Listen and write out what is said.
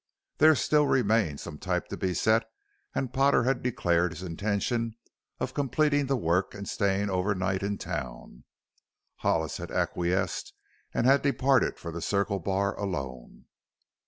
There still remained some type to be set and Potter had declared his intention of completing the work and staying overnight in town. Hollis had acquiesced and had departed for the Circle Bar alone.